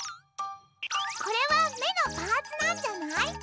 これはめのパーツなんじゃない？